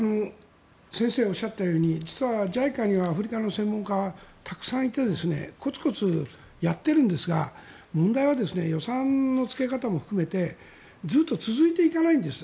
先生がおっしゃったように実は、ＪＩＣＡにはアフリカの専門家はたくさんいてコツコツやっているんですが問題は、予算のつけ方も含めてずっと続いていかないんです。